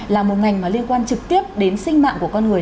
là một ngành liên quan trực tiếp đến sinh mạng của con người